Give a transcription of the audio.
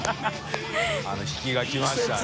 あの引きがきましたね。